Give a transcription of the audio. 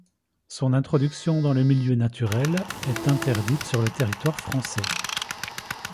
Son introduction dans le milieu naturel est interdite sur le territoire français.